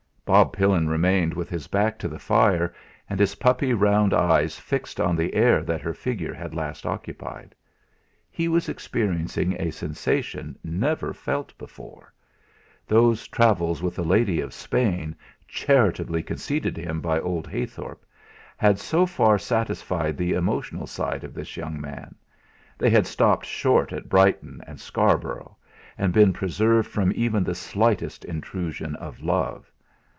Bob Pillin remained with his back to the fire and his puppy round eyes fixed on the air that her figure had last occupied. He was experiencing a sensation never felt before. Those travels with a lady of Spain, charitably conceded him by old Heythorp, had so far satisfied the emotional side of this young man; they had stopped short at Brighton and Scarborough, and been preserved from even the slightest intrusion of love.